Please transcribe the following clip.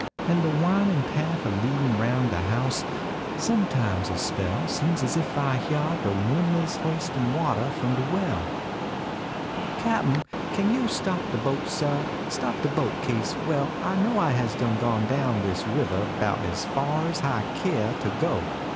An de winin path a Icadin Ronn de house ; sometimes a spell Seems es ef I h yard de win less H istin watah f om de well. Cap n, kain yo stop de boat, sail? Stop de boat, kase well I know I has done gone down dis rivah Bout es far s hi keah ter go.